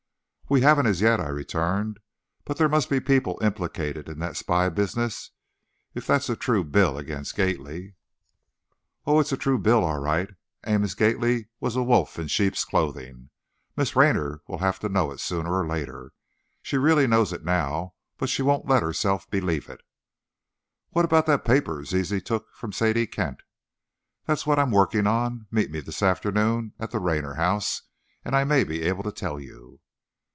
"We haven't as yet," I returned, "but there must be people implicated in that spy business, if that's a true bill against Gately " "Oh, it's a true bill, all right. Amos Gately was a wolf in sheep's clothing! Miss Raynor will have to know it sooner or later. She really knows it now, but she won't let herself believe it." "What about that paper Zizi took from Sadie Kent?" "That's what I'm working on. Meet me this afternoon at the Raynor house, and I may be able to tell you."